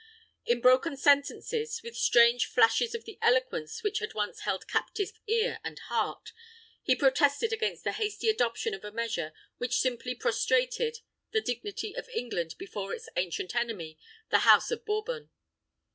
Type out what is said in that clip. In broken sentences, with strange flashes of the eloquence which had once held captive ear and heart, he protested against the hasty adoption of a measure which simply prostrated the dignity of England before its ancient enemy, the House of Bourbon.